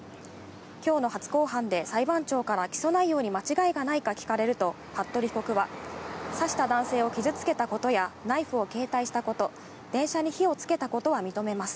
きょうの初公判で裁判長から起訴内容に間違いがないか聞かれると、服部被告は、刺した男性を傷つけたことや、ナイフを携帯したこと、電車に火をつけたことは認めます。